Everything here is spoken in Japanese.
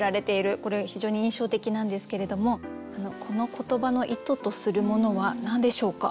これが非常に印象的なんですけれどもこの言葉の意図とするものは何でしょうか？